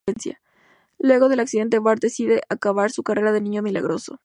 Luego del accidente, Bart decide acabar su carrera de niño milagroso.